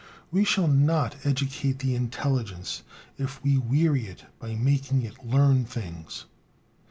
We shall not educate the intelligence if we weary it by making it learn things.